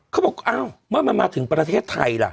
เขาบอกอ้าวเมื่อมันมาถึงประเทศไทยล่ะ